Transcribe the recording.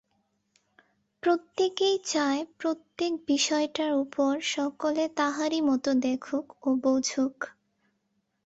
প্রত্যেকেই চায়, প্রত্যেক বিষয়টা অপর সকলে তাহারই মত দেখুক ও বুঝুক।